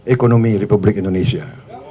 ekonomi republik indonesia